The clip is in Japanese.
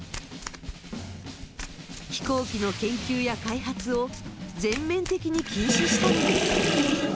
飛行機の研究や開発を全面的に禁止したのです。